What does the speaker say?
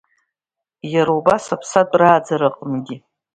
Иара убас аԥсаатә рааӡара аҟынгьы.